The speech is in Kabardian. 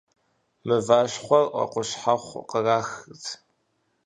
Мыващхъуэр къущхьэхъу кърахырт.